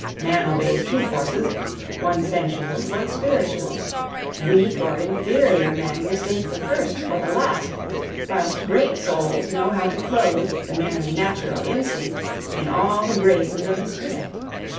Man obeys two forces one sensual, one spiritual. Weak or inferior men mistake the first for the last, whilst great souls know how to clothe the merely natural instinct in all the graces of the spirit.